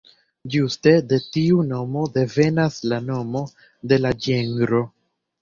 Ĝuste de tiu nomo devenas nomo de la ĝenro.